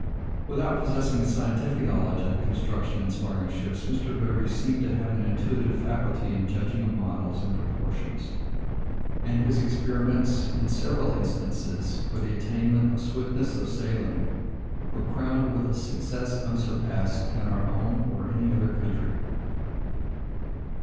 Without possessing a scientific knowledge of the construction and the sparring of ships, Mr. Derby seemed to have an intuitive faculty in judging of models and proportions; and his experiments, in several instances, for the attainment of swiftness of sailing, were crowned with a success unsurpassed in our own or any other country.